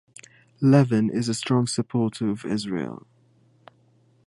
Levin is a strong supporter of Israel.